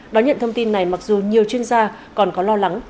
đón nhận thông tin này mặc dù nhiều chuyên gia còn có lo lắng